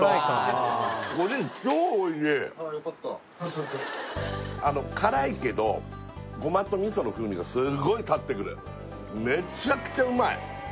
そうあの辛いけどゴマと味噌の風味がすごい立ってくるめっちゃくちゃうまい！